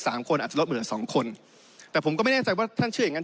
คนอาจจะลดเหลือสองคนแต่ผมก็ไม่แน่ใจว่าท่านเชื่ออย่างงั